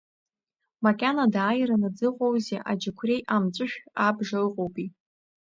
Макьана дааираны дзыҟоузеи аџьықәреи амҵәышә абжа ыҟоупеи…